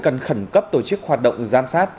cần khẩn cấp tổ chức hoạt động giam sát